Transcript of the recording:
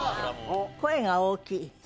声が大きい。